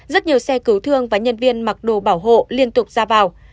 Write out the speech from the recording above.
rất nhiều xe cứu thương và nhân viên mặc đồ bảo hộ liên tục ra vào